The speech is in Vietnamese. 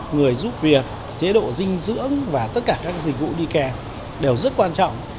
người giúp việc chế độ dinh dưỡng và tất cả các dịch vụ đi kè đều rất quan trọng